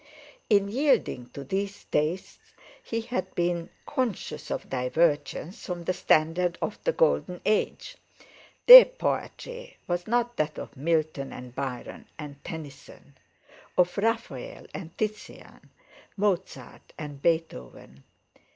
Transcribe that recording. In yielding to these tastes he had been conscious of divergence from the standard of the Golden Age. Their poetry was not that of Milton and Byron and Tennyson; of Raphael and Titian; Mozart and Beethoven.